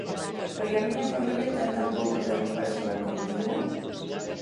Por que a miña familia ten tan pouco tempo para xogar comigo?